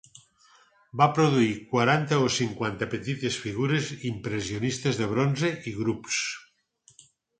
Va produir quaranta o cinquanta petites figures impressionistes de bronze i grups.